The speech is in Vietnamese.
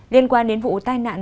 liên quan đến vụ tai nạn